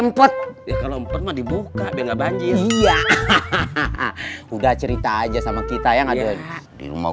mpet ya kalau mperma dibuka bengga banjir iya udah cerita aja sama kita yang ada di rumah